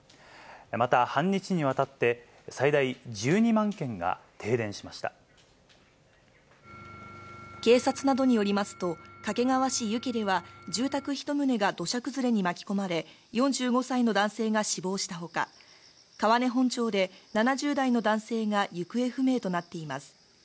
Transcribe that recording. また、半日にわたって、警察などによりますと、掛川市遊家では、住宅１棟が土砂崩れに巻き込まれ、４５歳の男性が死亡したほか、川根本町で７０代の男性が行方不明となっています。